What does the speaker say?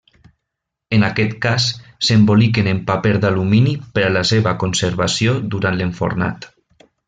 En aquest cas, s'emboliquen en paper d'alumini per a la seva conservació durant l'enfornat.